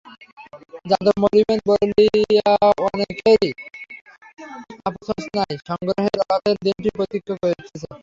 যাদব মরিবেন বলিয়া অনেকেরই আপসোস নাই, সংগ্রহে রথের দিনটির প্রতীক্ষা করিতেছে।